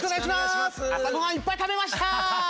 あさごはんいっぱいたべました！